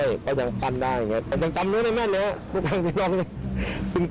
เอ้ยข้อเล่าอะไร